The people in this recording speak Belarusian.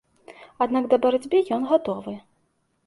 Аднак да барацьбы ён гатовы.